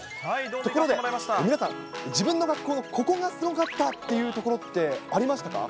ところで、皆さん、自分の学校のここがすごかったっていうところって、ありましたか？